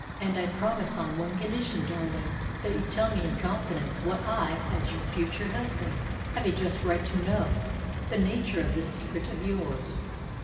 "And I promise, on one condition, darling that you tell me in confidence what I, as your future husband, have a just right to know the nature of this secret of yours."